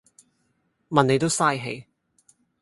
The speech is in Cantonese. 問你都嘥氣